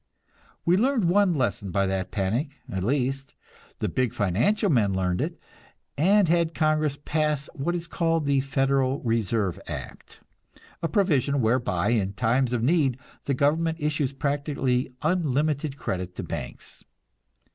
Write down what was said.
We learned one lesson by that panic; at least, the big financial men learned it, and had Congress pass what is called the "Federal Reserve Act," a provision whereby in time of need the government issues practically unlimited credit to banks.